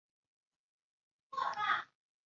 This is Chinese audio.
舒伯特是一位非常多产的奥地利作曲家。